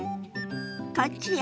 こっちよ。